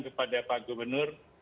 kepada pak gubernur